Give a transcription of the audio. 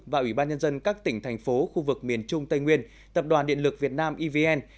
và ủy ban nhân dân các tỉnh thành phố khu vực miền trung tây nguyên tập đoàn điện lực việt nam evn